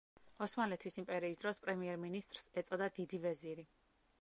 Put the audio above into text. ოსმალეთის იმპერიის დროს, პრემიერ-მინისტრს, ეწოდა დიდი ვეზირი.